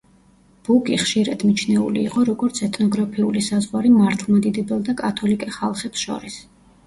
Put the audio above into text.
ბუგი ხშირად მიჩნეული იყო, როგორც ეთნოგრაფიული საზღვარი მართლმადიდებელ და კათოლიკე ხალხებს შორის.